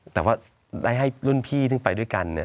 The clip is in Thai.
แต่ว่าให้รุ่นพี่ไปด้วยกัน